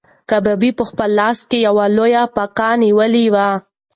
کبابي په خپل لاس کې یو لوی پکی نیولی و.